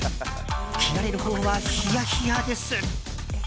切られるほうはヒヤヒヤです。